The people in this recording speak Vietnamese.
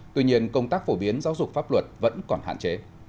tuy nhiên công tác phổ biến giáo dục pháp luật vẫn còn hạn chế